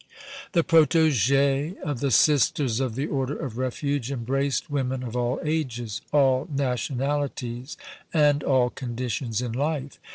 The protégées of the Sisters of the Order of Refuge embraced women of all ages, all nationalities and all conditions in life.